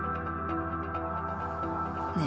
ねえ。